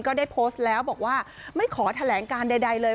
ก็ได้โพสต์แล้วบอกว่าไม่ขอแถลงการใดเลย